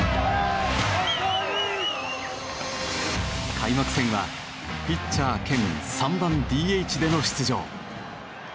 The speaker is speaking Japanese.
開幕戦はピッチャー兼３番ＤＨでの出場。